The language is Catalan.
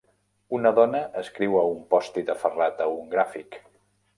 Una dona escriu a un pòstit aferrat a un gràfic.